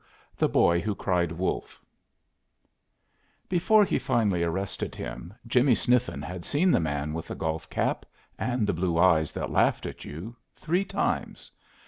THE BOY WHO CRIED WOLF Before he finally arrested him, "Jimmie" Sniffen had seen the man with the golf cap, and the blue eyes that laughed at you, three times.